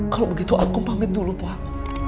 kalau begitu aku pamit dulu pak